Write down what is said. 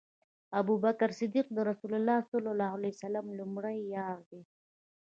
ابوبکر صديق د رسول الله صلی الله عليه وسلم لومړی یار دی